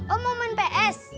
om mau main ps